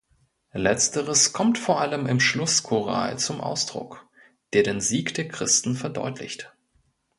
Letzteres kommt vor allem im Schlusschoral zum Ausdruck, der den Sieg der Christen verdeutlicht.